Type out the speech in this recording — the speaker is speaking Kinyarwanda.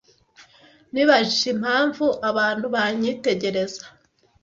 Nibajije impamvu abantu banyitegereza.